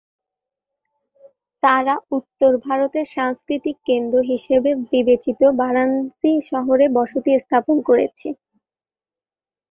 তাঁরা উত্তর ভারতের সাংস্কৃতিক কেন্দ্র হিসাবে বিবেচিত বারাণসী শহরে বসতি স্থাপন করেছিলেন।